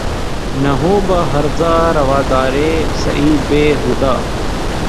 نہ ہو بہ ہرزہ روادارِ سعیء بے ہودہ